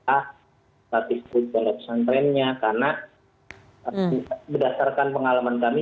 dari statistik pendok pesantrennya karena berdasarkan pengalaman kami